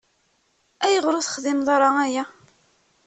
Ayɣer ur texdimeḍ ara aya?